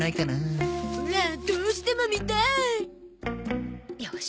オラどうしても見たい！